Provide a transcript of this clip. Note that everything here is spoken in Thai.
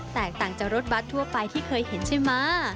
แตกต่างจากรถบัตรทั่วไปที่เคยเห็นใช่ไหม